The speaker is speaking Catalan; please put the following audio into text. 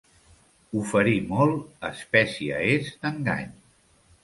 Oferir molt, espècie és d'engany.